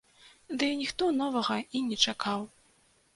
Дый ніхто новага і не чакаў.